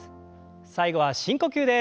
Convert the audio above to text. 最後は深呼吸です。